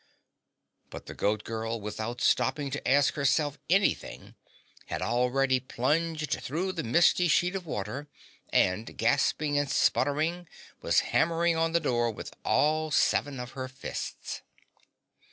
But the Goat Girl, without stopping to ask herself anything, had already plunged through the misty sheet of water, and gasping and spluttering was hammering on the door with all seven of her fists.